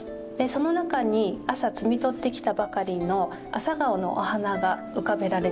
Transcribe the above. その中に朝摘み取ってきたばかりの朝顔のお花が浮かべられているんです。